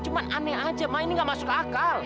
cuman aneh aja ma ini gak masuk akal